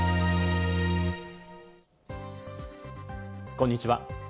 こんにちは。